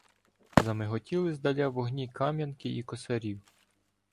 Замиготіли здаля вогні Кам'янки і Косарів.